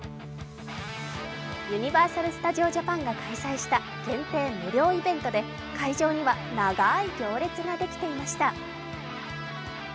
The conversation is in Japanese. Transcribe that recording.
ユニバーサル・スタジオ・ジャパンが開催した限定無料イベントで会場には長い行列ができていました。